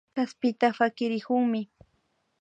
Kaspita pakirikunmi